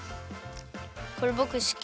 これぼくすき！